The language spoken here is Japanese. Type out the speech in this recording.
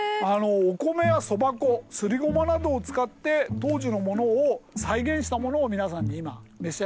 お米やそば粉すりごまなどを使って当時のものを再現したものを皆さんに今召し上がって頂いてます。